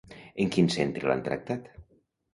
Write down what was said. En quin centre l'han tractat?